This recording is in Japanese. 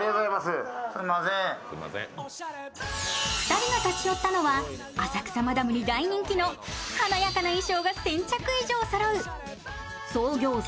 ２人が立ち寄ったのは、浅草マダムに大人気の華やかな衣装が１０００着以上そろう創業